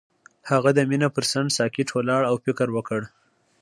هغه د مینه پر څنډه ساکت ولاړ او فکر وکړ.